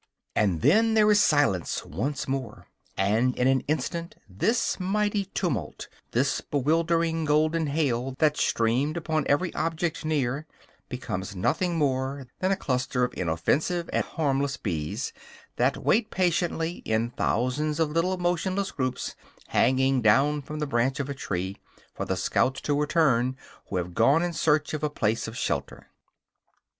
And then there is silence once more; and, in an instant, this mighty tumult, this bewildering golden hail that streamed upon every object near, becomes nothing more than a cluster of inoffensive and harmless bees, that wait patiently, in thousands of little motionless groups hanging down from the branch of a tree, for the scouts to return who have gone in search of a place of shelter.